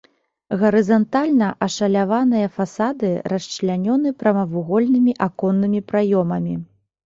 Гарызантальна ашаляваныя фасады расчлянёны прамавугольнымі аконнымі праёмамі.